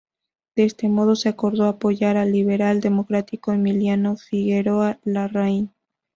De este modo, se acordó apoyar al liberal-democrático Emiliano Figueroa Larraín.